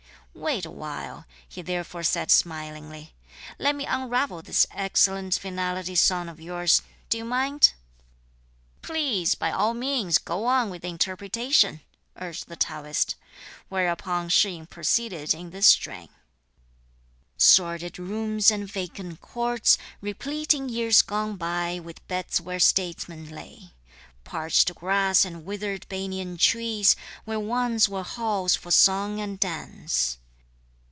"Wait a while," he therefore said smilingly; "let me unravel this excellent finality song of yours; do you mind?" "Please by all means go on with the interpretation," urged the Taoist; whereupon Shih yin proceeded in this strain: Sordid rooms and vacant courts, Replete in years gone by with beds where statesmen lay; Parched grass and withered banian trees, Where once were halls for song and dance!